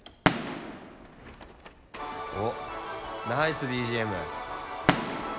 おっナイスＢＧＭ。